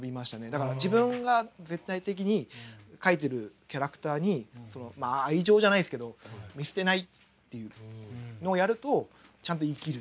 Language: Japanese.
だから自分が絶対的に描いてるキャラクターにまあ愛情じゃないですけど見捨てないっていうのをやるとちゃんと生きる。